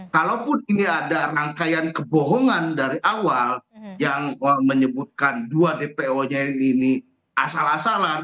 kalaupun ini ada rangkaian kebohongan dari awal yang menyebutkan dua dpo nya ini asal asalan